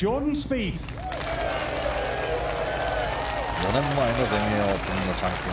４年前の全英オープンのチャンピオン。